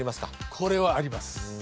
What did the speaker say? これはあります。